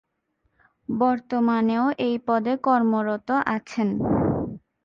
বর্তমানেও এই পদে কর্মরত আছেন।